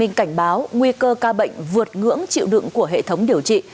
đã bị cảnh báo nguy cơ ca bệnh vượt ngưỡng chịu đựng của hệ thống điều trị